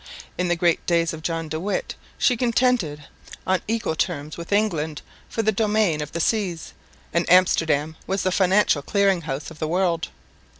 In the great days of John de Witt she contended on equal terms with England for the dominion of the seas; and Amsterdam was the financial clearing house of the world.